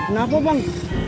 kan gak nyampe rumah bang